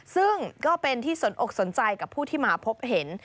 ซึ่งก็เป็นที่สนอกสนใจกับผู้ที่มาพบเห็น